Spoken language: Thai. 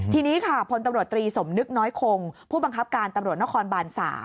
ทีนี้ค่ะพลตำรวจตรีสมนึกน้อยคงผู้บังคับการตำรวจนครบาน๓